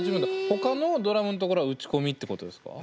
ほかのドラムのところは打ち込みってことですか。